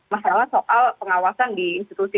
masalah soal pengawasan di institusi